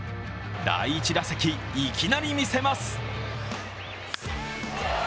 第１打席いきなり見せます！